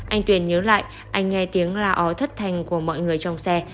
anh tuyền nhớ lại anh nghe tiếng la ó thất thành của mọi người trong xe